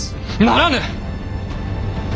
ならぬ！